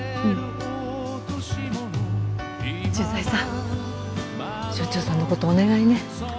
駐在さん署長さんのことお願いね。